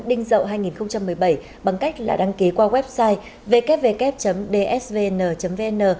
đinh dậu hai nghìn một mươi bảy bằng cách là đăng ký qua website ww dsvn vn